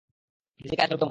নিজেকে আজ গর্বিত মনে হয়।